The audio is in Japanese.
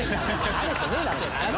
なれてねえだろ。